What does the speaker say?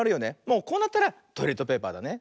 もうこうなったらトイレットペーパーだね。